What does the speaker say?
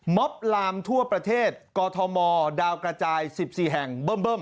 ม็อบลามทั่วประเทศกอทมดาวกระจาย๑๔แห่ง